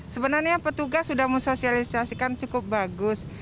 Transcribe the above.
sebenarnya petugas sudah mensosialisasikan cukup bagus